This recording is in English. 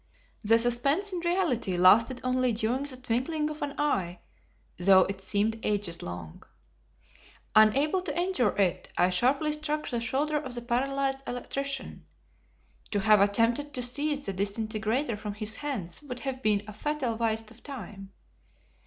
The suspense in reality lasted only during the twinkling of an eye, though it seemed ages long. Unable to endure it, I sharply struck the shoulder of the paralyzed electrician. To have attempted to seize the disintegrator from his hands would have been a fatal waste of time.